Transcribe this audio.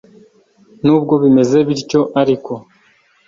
n’ubwo bimeze bityo ariko